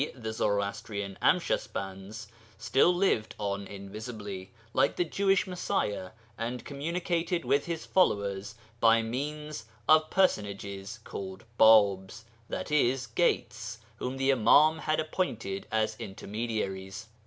the Zoroastrian Amshaspands) still lived on invisibly (like the Jewish Messiah), and communicated with his followers by means of personages called Bābs (i.e. Gates), whom the Imām had appointed as intermediaries.